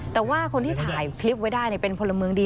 แต่ว่าคนที่ถ่ายคลิปไว้ได้เป็นพลเมืองดี